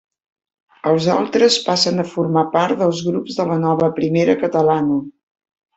Els altres passen a formar part dels grups de la nova Primera Catalana.